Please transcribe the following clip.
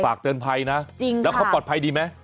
ฝากเตือนภัยนะแล้วเขาปลอดภัยดีไหม